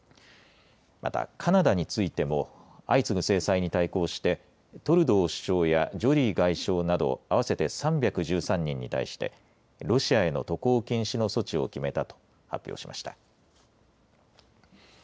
またカナダについても相次ぐ制裁に対抗してトルドー首相やジョリー外相など合わせて３１３人に対してロシアへの渡航禁止の措置を決めたと発表しました。